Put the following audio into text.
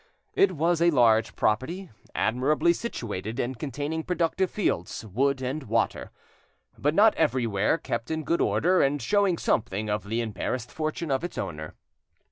It was a large property, admirably situated, and containing productive fields, wood, and water; but not everywhere kept in good order, and showing something of the embarrassed fortune of its owner.